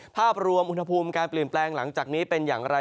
ภาพรวมอุณหภูมิการเปลี่ยนแปลงหลังจากนี้เป็นอย่างไร